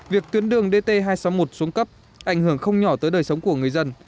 việc tuyến đường dt hai trăm sáu mươi một xuống cấp ảnh hưởng không nhỏ tới đời sống của người dân